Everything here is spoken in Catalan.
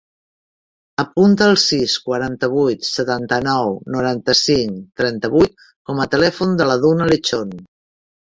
Apunta el sis, quaranta-vuit, setanta-nou, noranta-cinc, trenta-vuit com a telèfon de la Duna Lechon.